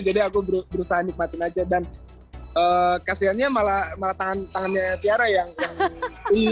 jadi aku berusaha nikmatin aja dan kasihan nya malah tangannya tiara yang ungu